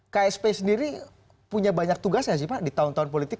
ksp sendiri punya banyak tugasnya sih pak di tahun tahun politik